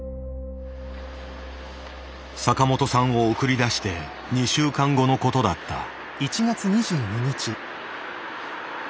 坂本さんを送り出して２週間後のことだった。